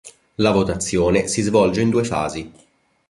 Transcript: La votazione si svolge in due fasi.